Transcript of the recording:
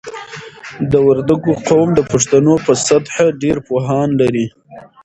د وردګو قوم د پښتنو په سطحه ډېر پوهان لري.